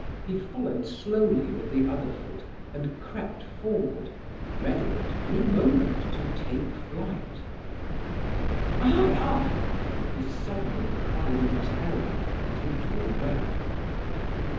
He followed slowly with the other foot, and crept forward, ready at any moment to take flight. "Hie, hie!" he suddenly cried in terror, and he drew back.